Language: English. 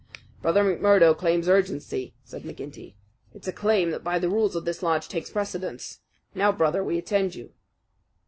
"Brother McMurdo claims urgency," said McGinty. "It's a claim that by the rules of this lodge takes precedence. Now Brother, we attend you."